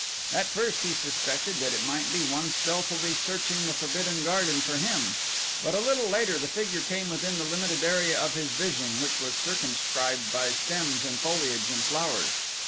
At first he suspected that it might be one stealthily searching the Forbidden Garden for him but a little later the figure came within the limited area of his vision which was circumscribed by stems and foliage and flowers.